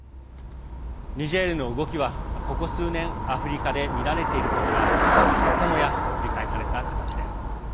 ニジェールの動きは、ここ数年アフリカで見られていることがまたもや繰り返された形です。